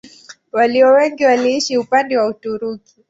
Walio wengi waliishi upande wa Uturuki.